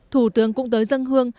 thủ tướng cũng tới dân hương